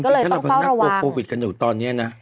ก็เลยต้องเฝ้าระวังถ้าเราเป็นนักโครวิดกันอยู่ตอนนี้นะ